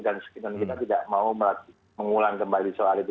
dan kita tidak mau mengulang kembali soal itu